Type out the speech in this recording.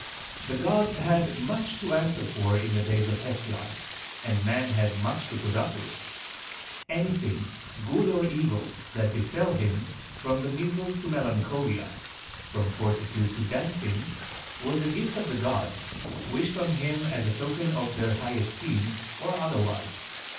The gods had much to answer for in the days of Hesiod, and man had much to put up with. Anything, good or evil, that befell him, from the measles to melancholia—from fortitude to dancing—was a gift of the gods, wished on him as a token of their high esteem, or otherwise.